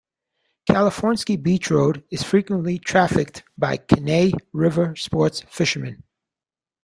Kalifornsky Beach Road is frequently trafficked by Kenai River sports fishermen.